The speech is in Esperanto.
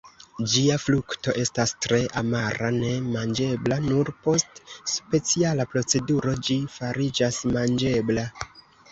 Ĝia frukto estas tre amara, ne manĝebla, nur post speciala proceduro ĝi fariĝas manĝebla.